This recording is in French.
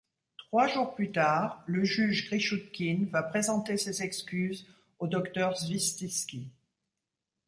Trois jours plus tard, le juge Grichoutkine va présenter ses excuses au docteur Svistiski.